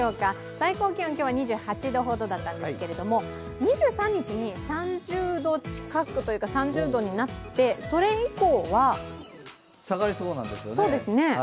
最高気温、今日は２８度ほどだったんですけれども、２３日に３０度近くというか３０度になってそれ以降は下がりそうなんですよね。